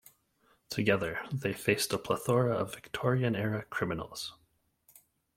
Together they faced a plethora of Victorian-era criminals.